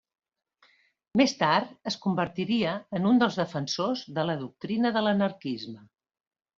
Més tard, es convertiria en un dels defensors de la doctrina de l'anarquisme.